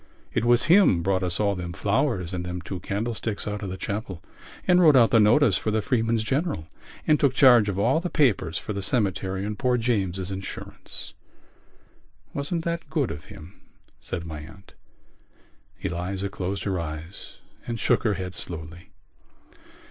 It was him brought us all them flowers and them two candlesticks out of the chapel and wrote out the notice for the Freeman's General and took charge of all the papers for the cemetery and poor James's insurance." "Wasn't that good of him?" said my aunt. Eliza closed her eyes and shook her head slowly.